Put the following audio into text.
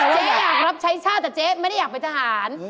อยากรับใช้ชาติแต่เจ๊ไม่ได้อยากเป็นทหาร